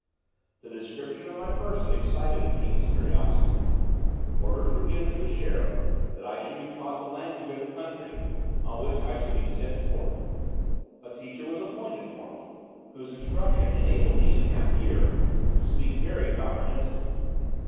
The description of my person excited the king's curiosity. Orders were given to the sheriff, that I should be taught the language of the country; on which I should be sent to court. A teacher was appointed for me, whose instruction enabled me in a half year to speak very comprehensibly.